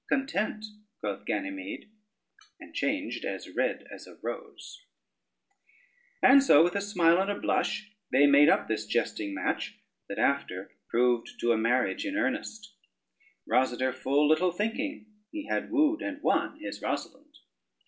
"Content," quoth Ganymede, and changed as red as a rose: and so with a smile and a blush, they made up this jesting match, that after proved to a marriage in earnest, Rosader full little thinking he had wooed and won his Rosalynde.